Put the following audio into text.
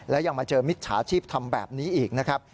และยังมาเจอมิจฉาชีพทำแบบนี้อีกนะครับ